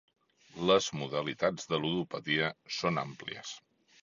Les modalitats de ludopatia són àmplies.